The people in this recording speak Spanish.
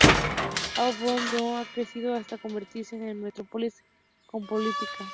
Abu Dabi ha crecido hasta convertirse en una metrópolis cosmopolita.